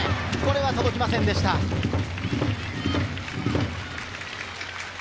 これは届きませんでした。